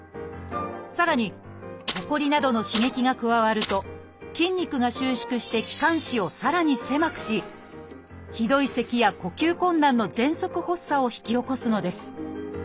さらにほこりなどの刺激が加わると筋肉が収縮して気管支をさらに狭くしひどいせきや呼吸困難のぜんそく発作を引き起こすのです。